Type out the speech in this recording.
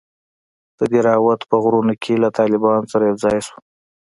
د دهراوت په غرونوکښې له طالبانو سره يوځاى سو.